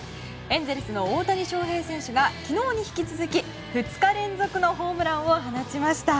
エンゼルスの大谷翔平選手が昨日に引き続き２日連続のホームランを放ちました。